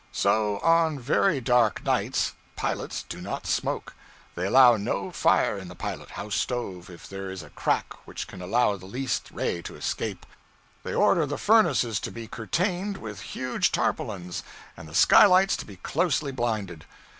So, on very dark nights, pilots do not smoke; they allow no fire in the pilot house stove if there is a crack which can allow the least ray to escape; they order the furnaces to be curtained with huge tarpaulins and the sky lights to be closely blinded.